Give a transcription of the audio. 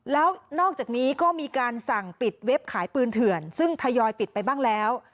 แล้วนอกจากนี้ก็มีการสั่งปิดเว็บขายปืนเถื่อนซึ่งทยอยปิดไปบ้างแล้ว